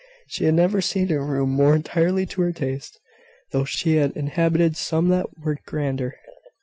She had never seen a room more entirely to her taste, though she had inhabited some that were grander.